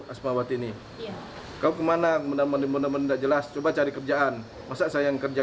asmawati ini kau kemana mendarmandir mendarmandir tidak jelas coba cari kerjaan masa saya yang kerja